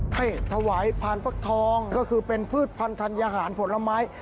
เพศถวายพานภักษ์ทองก็คือเป็นพืชพันธรรยาหารผลไม้